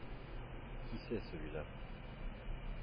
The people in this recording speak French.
Qui c'est celui-là ?